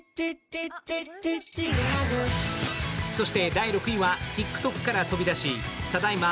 第６位はＴｉｋＴｏｋから飛び出しただいま